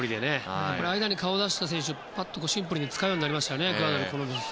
間に顔を出した選手パッとシンプルに使うようになりましたね。